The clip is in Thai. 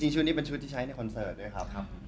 ชุดนี้เป็นชุดที่ใช้ในคอนเสิร์ตด้วยครับ